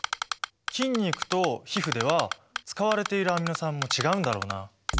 筋肉と皮膚では使われているアミノ酸も違うんだろうな。